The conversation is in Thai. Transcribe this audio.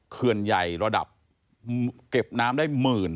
เขื่อนใหญ่ระดับเก็บน้ำได้หมื่น